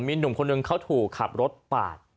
มีหนุ่มคนหนึ่งเขาถูกขับรถปาด